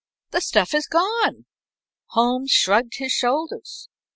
"The stuff is gone." Holmes shrugged his shoulders.